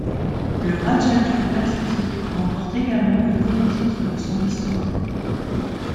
Le Raja Club Athletic remporte également le premier titre de son histoire.